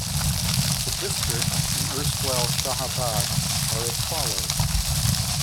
The districts in erstwhile Shahabad are as follows.